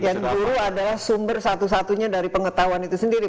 yang guru adalah sumber satu satunya dari pengetahuan itu sendiri